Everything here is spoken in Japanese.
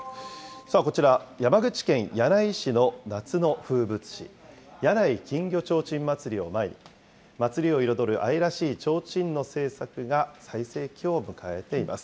こちら、山口県柳井市の夏の風物詩、柳井金魚ちょうちん祭りを前に、祭りを彩る愛らしいちょうちんの製作が最盛期を迎えています。